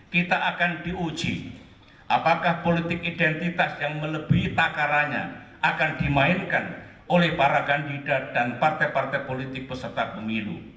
kita akan diuji apakah politik identitas yang melebihi takaranya akan dimainkan oleh para kandidat dan partai partai politik peserta pemilu